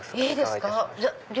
いいですか？